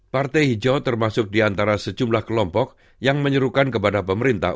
partai hijau termasuk di antara sejumlah kelompok yang menyerukan kepada pemerintah